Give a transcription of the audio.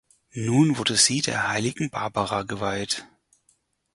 Nun wurde sie der Heiligen Barbara geweiht.